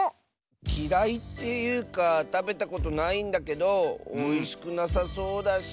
きらいっていうかたべたことないんだけどおいしくなさそうだし。